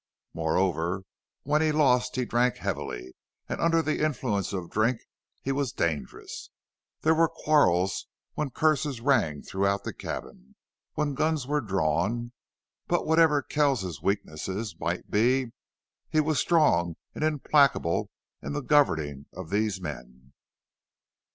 Moreover, when he lost he drank heavily, and under the influence of drink he was dangerous. There were quarrels when curses rang throughout the cabin, when guns were drawn, but whatever Kells's weaknesses might be, he was strong and implacable in the governing of these men.